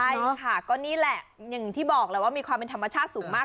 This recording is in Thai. ใช่ค่ะก็นี่แหละอย่างที่บอกแล้วว่ามีความเป็นธรรมชาติสูงมาก